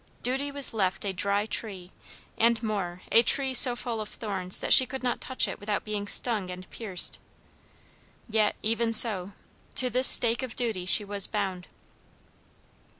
Duty was left a dry tree; and more, a tree so full of thorns that she could not touch it without being stung and pierced. Yet even so; to this stake of duty she was bound.